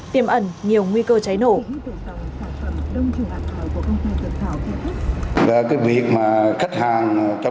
tiềm ẩn nhiều nguy cơ cháy nổ